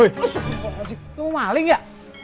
itu itu apa ya